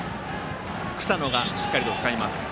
草野がしっかりとつかみます。